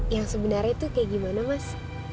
yang sebenarnya itu kayak gimana mas